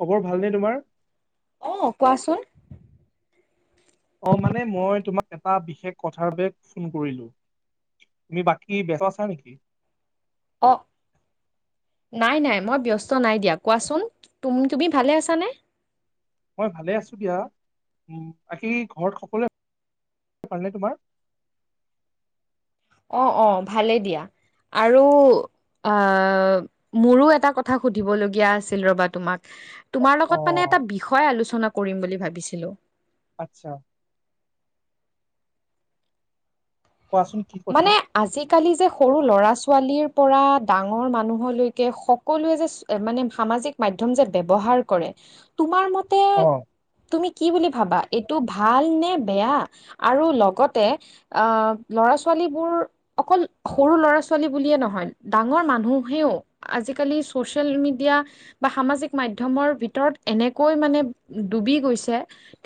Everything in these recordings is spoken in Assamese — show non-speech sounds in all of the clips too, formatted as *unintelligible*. খবৰ ভালনে তোমাৰ? আহ কোৱাচোন। অ মানে মই তোমাক এটা বিশেষ কথাৰ বাবে ফোন কৰিলোঁ। তুমি বাকী বেচ আছা নেকি? অহঁ। নাই নাই মই ব্যস্ত নাই দিয়া, কোৱাচোন। তুমি ভালে আছানে? মই ভালে আছো দিয়া। উ বাকি ঘৰত সকলোৱে ভালনে তোমাৰ? অ অ ভালেই দিয়া। আৰু অ মোৰো এটা কথা সুধিবলগীয়া আছিল ৰবা তোমাক। তোমাৰ অ লগত মানে এটা বিষয় আলোচনা কৰিম বুলি ভাবিছিলো। আচ্ছা। কোৱাচোন কি কথা? মানে আজিকালি যে সৰু ল'ৰা ছোৱালীৰ পৰা ডাঙৰ মানুহলৈকে সকলোৱে যে মানে সামাজিক মাধ্যম যে ব্যৱহাৰ কৰে। তোমাৰ মতে অ। তুমি কি বুলি ভাবা এইটো ভাল নে বেয়া? আৰু লগতে অ ল'ৰা ছোৱ ছোৱালীবোৰ অকল সৰু ল'ৰা ছোৱালী বুলিয়ে নহয় ডাঙৰ মানুহেও আজিকালি চচিয়েল মিডিয়া বা সামাজিক মাধ্যমৰ ভিতৰত এনেকৈ মানে ডুবি গৈছে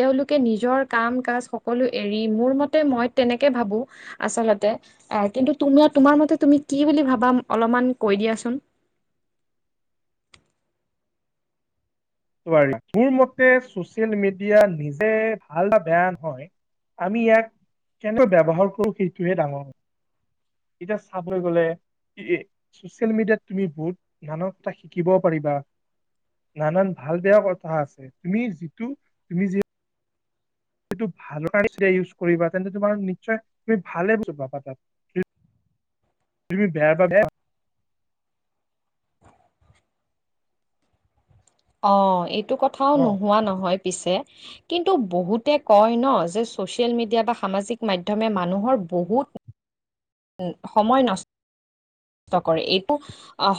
তেওঁলোকে নিজৰ কাম কাজ সকলো এৰি মোৰ মতে মই তেনেকে ভাবো আচলতে এ কিন্তু তুমি তোমাৰ মতে তুমি কি বুলি ভাবা অলপমান কৈ দিয়াচোন। *unintelligible* মোৰ মতে চচিয়েল মিডিয়া নিজে ভাল বা বেয়া নহয়। আমি ইয়াক কেনকৈ ব্যৱহাৰ কৰোঁ সেইটহে ডাঙৰ। এতিয়া চাবলৈ গলে ছচিয়েল মিডিয়াত তুমি বহুত নানা কথা শিকিব পাৰিবা নানান। ভাল বেয়া কথা আছে তুমি যিটো তুমি যি ভাল কাৰণে ইউজ কৰিবা তেন্তে তোমাৰ নিশ্চয় তুমি ভালে বুজা তাত। তুমি বেয়া বা বেয়া অ এইটো কথাও ন নোহোৱা নহয় পিছে। কিন্তু বহুতে কয় ন যে ছচিয়েল মিডিয়া বা সামাজিক মাধ্যমে মানুহৰ বহুত। সময় নষ্ট। কৰে এইটো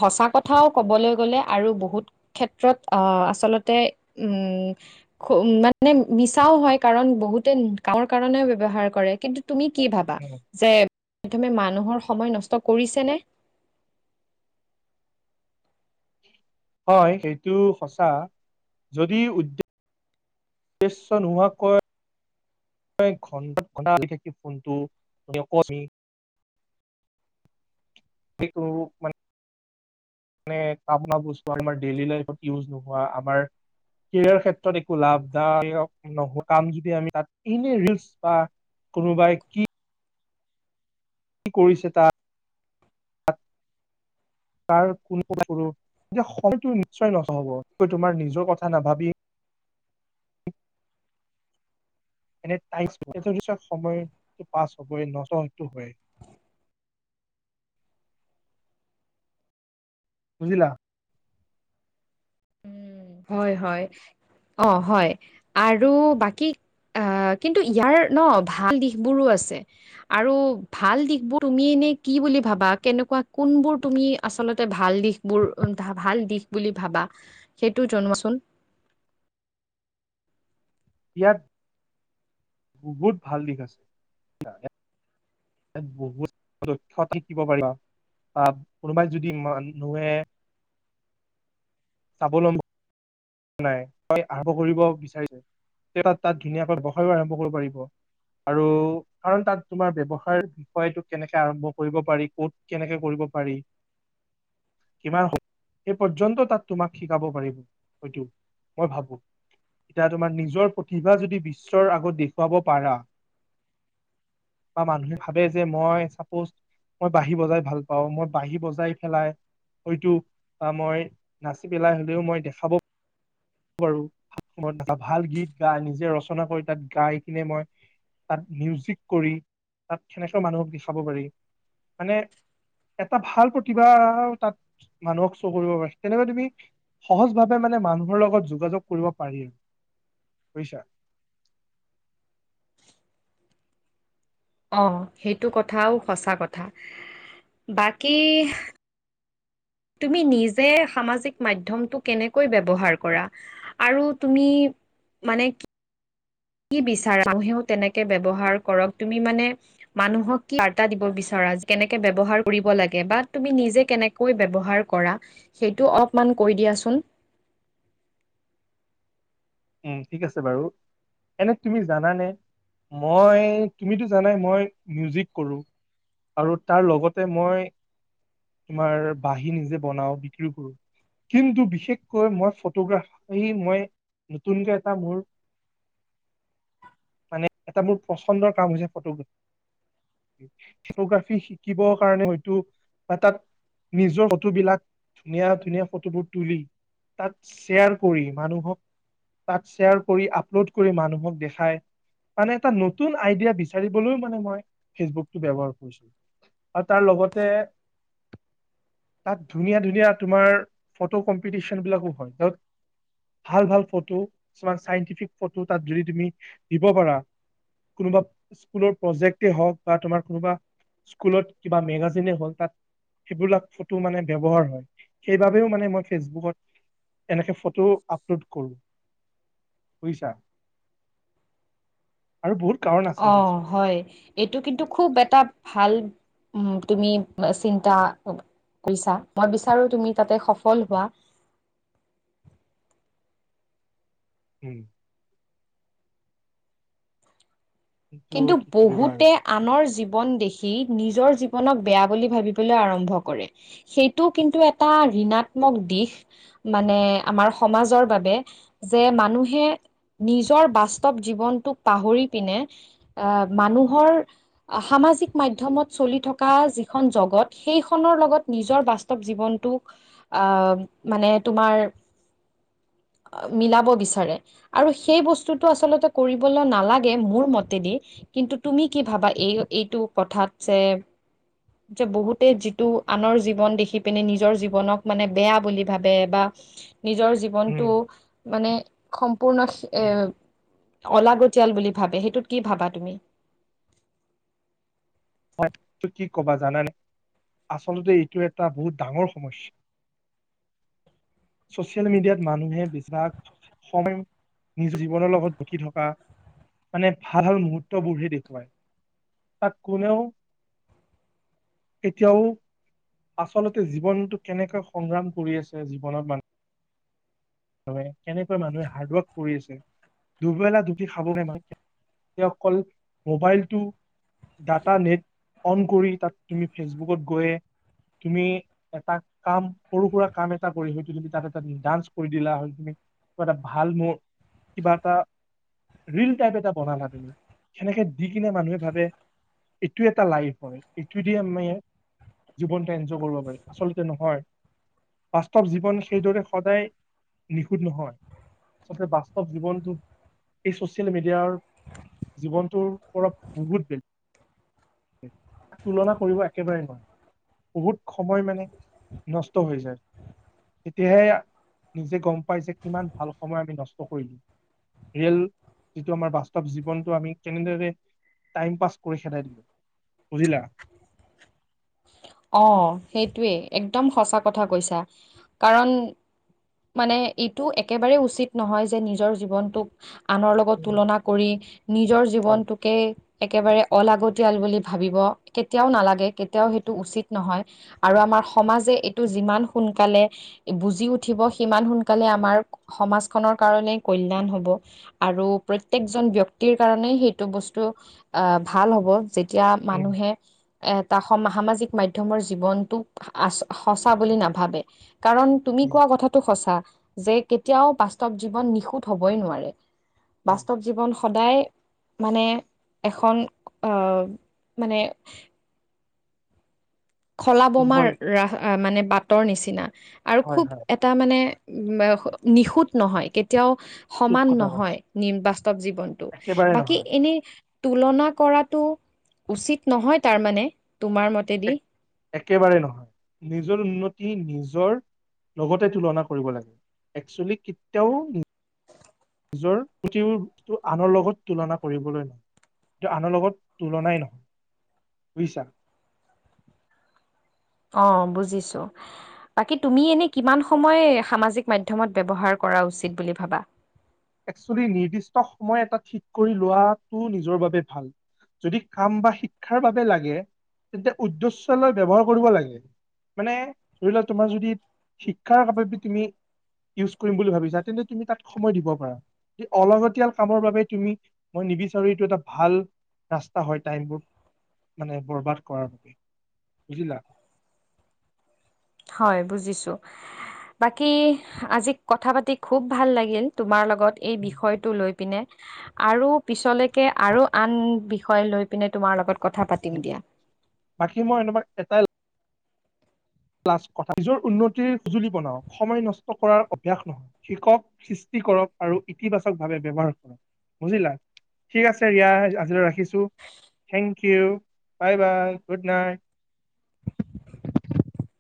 সঁচা কথাও ক'বলৈ গ'লে আৰু বহুত ক্ষেত্ৰত আচলতে উ মানে মিছাও হয় কাৰণ বহুতে কামৰ ব্যৱহাৰ কৰে কিন্তু তুমি কি ভাবা যে মানুহৰ সময় নষ্ট কৰিছেনে হয় সেইটো সঁচা যদি উদ চ নোহোৱা কৈ *unintelligible* ঘণ্টা ঘণ্টা বহি থাকি ফোনটো সেইটো মানে মানে কাপ ন বচোৱা আমাৰ ডেইলি লাইফত ইউজ নোহোৱা আমাৰ কেৰিয়াৰ ক্ষেত্ৰত একো লাভদায়ক নহ কাম যদি আমি তাত এনে ৰিলচ বা কোনোবাই কি কি কৰিছে তাৰ *unintelligible* *inaudible* ত কোন কোন পো *unintelligible* এতিয়া সেইটো *unintelligible* নিশ্চয় নথব তোমাৰ নিজৰ কথা নাভাবি *inaudible* এনে তাই সময় পাছ হবই নজটো হয় *unintelligible* *inaudible* বুজিলা হয় হয় অ হয় আৰু বাকী অ কিন্তু ইয়াৰ ন ভাল দিশবোৰো আছে আৰু ভাল দিশবোৰ তুমি কি বুলি ভাবা কেনেকুৱা কোনবোৰ তুমি আচলতে ভাল দিশ বোৰ ভাল দিশ বুলি ভাবা ভাবা সেইটো জনোৱাচোন ইয়াত বহুত ভাল দিশ আছে বহুত দক্ষ থাকিব পাৰিবা আহ কোনোবাই যদি মানুহে স্বাৱলম্বী নাই তই আৰম্ভ কৰিব বিচাৰিছে তাত ধুনীয়াকৈ বহায়ো আৰম্ভ কৰিব পাৰিব *unintelligible* আৰু কাৰণ তাত তোমাৰ ব্যৱহাৰ বিষয়টো কেনেকে আৰম্ভ কৰিব পাৰি ক'ত কেনেকে কৰিব পাৰি উ কিমান হ এই পৰ্যন্ত তাত তোমাক শিকাব পাৰিব। সেইটো মই ভাবো এতিয়া তোমাৰ নিজৰ প্ৰতিভা যদি বিশ্বৰ আগত দেখুৱাব পাৰা। বা মানুহে ভাবে যে মই চাপোজ। মই বাঁহী বজাই ভাল পাও মই বাঁহী বজাই পেলাই হয়তো বা মই নাচি পেলাই হলেও মই দেখাব পাৰোঁ সময়ত ভাল গীত গাই নিজে ৰচনা কৰি তাত গাই কিনে মই তাত মিউজিক কৰি তাত সেনেকৈ মানুহক দেখাব পাৰি মানে এটা ভাল প্ৰতিভা তাত মানুহক চহ কৰিব পাৰে তেনেকুৱা তুমি সহজ ভাৱে মানে মানুহৰ লগত যোগাযোগ কৰিব পাৰিম বুজিছা অ সেইটো কথাও সঁচা কথা বাকী তুমি নিজে সামাজিক মধ্যমটো কেনেকৈ ব্যৱহাৰ কৰা আৰু তুমি মানে কি কি বিচাৰা মহেও তেনেকে ব্যৱহাৰ কৰক তুমি মানে মানুহক কি বাৰ্তা দিব বিচাৰা কেনেকে ব্যৱহাৰ কৰিব লাগে। বা তুমি নিজে কেনেকৈ ব্যৱহাৰ কৰা সেইটো অলপমান কৈ দিয়াচোন। উম ঠিক আছে বাৰু এনে তুমি জানানে মই তুমিতো জানাই মই মিউজিক কৰোঁ আৰু তাৰ লগতে মই। তোমাৰ বাঁহী নিজে বনাও বিক্ৰী কৰো। কিন্তু বিশেষকৈ মই ফটোগ্ৰাফাৰী মই। নতুনকে এটা মোৰ। মানে এটা মোৰ পচন্দৰ কাম হৈছে ফটোগ্ৰাফী। ফটোগ্ৰাফী শিকিবৰ কাৰণে হয়তো বা তাত। নিজৰ ফটোবিলাক ধুনীয়া ধুনীয়া ফটোবোৰ তুলি। তাত শ্বেয়াৰ কৰি মানুহক। তাক শ্বেয়াৰ কৰি আপলোড কৰি মানুহক দেখাই। মানে এটা নতুন আইডিয়া বিচাৰিবলৈও মানে মই ফেচবুকটো ব্যৱহাৰ কৰিছিলো। *unintelligible* আৰু তাৰ লগতে। তাত ধুনীয়া ধুনীয়া তোমাৰ ফটো কম্পিটিশন বিলাকো হয়ত। ভাল ভাল ফটো কিছুমান চাইণ্টিফিক ফটো তাত যদি তুমি দিব পাৰা। কোনোবা স্কুলৰ প্ৰজেক্টেই হওক বা তোমাৰ কোনোবা। স্কুলত কিবা মেগাজিনে হ'ল তাত। সেইবিলাক ফটো মানে ব্যৱহাৰ হয়। সেইবাবেও মানে মই ফেচবুকত। এনেকে ফটো আপলোড কৰোঁ বুজিছা। আৰু বহুত। কাৰণ আছে অ দিয়াচোন হয় এইটো কিন্তু খুব এটা। ভাল তুমি চিন্তা। কৰিছা মই বিচাৰো তুমি তাতে সফল হোৱা। উম। কিন্তু কি কৰিবা আৰু বহুতে আনৰ জীৱন দেখি। নিজৰ জীৱনক বেয়া বুলি ভাবিবলৈ আৰম্ভ কৰে সেইটো কিন্তু এটা ঋণাত্মক। দিশ মানে আমাৰ সমাজৰ বাবে যে মানুহে। নিজৰ বাস্তৱ জীৱনটোক পাহৰি পিনে। আহ মানুহৰ সামাজিক মাধ্যমত চলি থকা যিখন জগত সেইখন। লগত নিজৰ বাস্তৱ জীৱনটো আহ মানে তোমাৰ। উ *unintelligible* মিলাব বিচাৰে আৰু সেই বস্তুটো আচলতে কৰিবলৈ নালাগে মোৰ মতে। দি কিন্তু তুমি কি ভাবা এই এইটো কথাত যে। যে বহুতে যিটো আনৰ জীৱন দেখি পিনে নিজৰ জীৱনক মানে বেয়া বুলি ভাবে বা। নিজৰ উম জীৱনটো মানে সম্পূৰ্ণ। হয় অলাগতিীয়াল বুলি ভাবে সেইটোত কি ভাবা তুমি। হয় কি কবা জানানাই। আচলতে এইটো এটা বহুত ডাঙৰ সমস্যা। *unintelligible* ছচিয়েল মিডিয়াত মানুহে বিছাগ সময়। নিজৰ জীৱনৰ লগত বুকি থকা। মানে ভাল ভাল মুহূৰ্তবোৰহে দেখুৱায় তাক কোনেও। এতিয়াও। আচলতে জীৱনটো কেনেকৈ সংগ্ৰাম কৰি আছে জীৱনত মানুহ। কেনেকৈ মানুহে হাৰ্ড ৱৰ্ক কৰি আছে দুবেলা দুবি খাব মান। অকল মোবাইলটো। ডাটা নেট অন কৰি তাত তুমি ফেচবুকত গৈ। তুমি এটা কাম সৰু সুৰা কাম এটা কৰি হয়ো তুমি তাত এটা নিৰ্। কৰি দিলা হয় তুমি কিবা এটা ভাল মোৰ কিবা এটা। ৰীল টাইপ এটা বনালা তুমি সেনেকে দি কিনে মানুহে ভাবে এইটো এটা লাইফ হয় এইটো দি আমি জীৱনটো এনজয় কৰিব পাৰি আচলতে নহয় বাস্তৱ জীৱন সেইদৰে সদায় নিখুঁত নহয়। আচলতে বাস্তৱ জীৱনটো এই চচিয়েল মিডিয়াৰ জীৱনটোৰ পৰস বহুত তুলনা কৰিব একেবাৰে নোৱাৰে। বহুত সময় মানে নষ্ট হৈ যায়। তেতিয়াহে নিজে গম পাই যে কিমান ভাল সময় আমি নষ্ট কৰি দিওঁ ৰিয়েল যিটো আমাৰ বাস্তৱ জীৱনটো আমি কেনেদৰে টাইম পাছ কৰি খেদাই দিলোঁ। বুজিলা। অ সেইটোৱেই একদম সঁচা কথা কৈছা কাৰণ মানে এইটো একেবাৰেই উচিত নহয় যে নিজৰ জীৱনটোক আনৰ লগত উম, তুলনা কৰি নিজৰ হয় জীৱনটোকে একেবাৰে অলাগতিয়াল বুলি ভাবিব কেতিয়াও নালাগে কেতিয়াও সেই উচিত নহয় আৰু আমাৰ সমাজে এইটো যিমান সোনকালে বুজি উঠিব সিমান সোনকালে আমাৰ সমাজ খনৰ কাৰণে কল্যাণ হ'ব আৰু প্ৰত্যেক জন ব্যক্তিৰ কা কাৰণেই সেইটো বস্তু আ ভাল হ'ব যেতিয়া উম, মানুহে এটা স সামাজিক মাধ্যমৰ জীৱনতোক আ সঁচা বুলি নাভাবে। কাৰণ তুমি উম, কোৱা কথাটো সঁচা যে কেতিয়াও বাস্তৱ জীৱন নিখুঁত হ'বই নোৱাৰে। হয় বাস্তৱ জীৱন সদায় মানে এখন অ মানে খলা উম, বমা হয় ৰা আহ মানে বাটৰ নিচিনা আৰু হয় খুব হয় এটা মানে, উম নিখুঁত নহয় কেতিয়াও ঠিক সমান কথা কৈছে নহয় নি বাস্তৱ জীৱনটো একেবাৰে বাকী নহয় এনেই তুলনা কৰাটো টো উচিত নহয় তাৰ মানে তোমাৰ মতেদি এক- একেবাৰে নহয় নিজৰ উন্নতি নিজৰ লগতে তুলনা কৰিব লাগে একচুৱেলি কেতিয়াও নিজৰ প্ৰতিটো বস্তু আনৰ লগত তুলনা কৰিবলৈ নহয় কেতিয়াও আনৰ লগত তুলনাই নহয় বুজিছা। *inaudible* অ বুজিছো। বাকী তুমি এনে কিমান সময় সামাজিক মাধ্যমত ব্যবহাৰ কৰা। উচিত বুলি ভাবা। একচুৱেলি নিৰ্দিষ্ট সময় এটা ঠিক কৰি লোৱাটো নিজৰ বাবে ভাল। যদি কাম বা শিক্ষাৰ বাবে লাগে তেন্তে উদ্দেশ্য লৈ ব্যবহাৰ কৰিব লাগে। মানে ধৰি লোৱা তোমাৰ যদি শিক্ষাৰ বাবে তুমি ইউজ কৰিম বুলি ভাবিছা তেন্তে তুমি তাত সময় দিব অলাগতিয়াল কামৰ বাবে তুমি মই নিবিচাৰোঁ এইটো এটা ভাল ৰাস্তা হয় টাইমবোৰ মানে বৰবাদ কৰাৰ বাবে বুজিলা। *inaudible* হয় বুজিছো, বাকি আজি কথা পাতি খুব ভাল লাগিল তোমাৰ লগত এই বিষয়টো লৈ পিনে আৰু পিছলেকে আৰু আন বিষয় লৈ পিনে তোমাৰ লগত কথা পাতিম দিয়া। বাকী মই এনেবা এটাই লাষ্ট কথা। নিজৰ উন্নতিৰ সঁজুলি বনাওক সময় নষ্ট কৰাৰ অভ্যাস নহয়, শিক্ষক কৰক আৰু ইতিবাচক ভাৱে ব্যৱহাৰ কৰক বুজিলা। ঠিক আছে ৰিয়া আজিলৈ ৰাখিছোঁ। Thank you bye bye good night *inaudible*